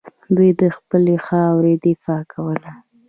دوی د خپلې خاورې دفاع کوله